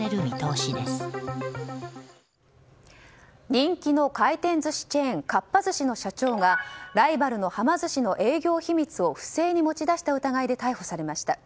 人気の回転寿司チェーンかっぱ寿司の社長がライバルのはま寿司の営業秘密を不正に持ち出した疑いで逮捕されました。